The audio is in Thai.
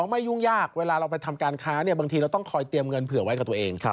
ไม่ยุ่งยากเวลาเราไปทำการค้าบางทีเราต้องคอยเตรียมเงินเผื่อไว้กับตัวเอง